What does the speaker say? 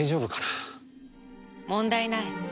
問題ない。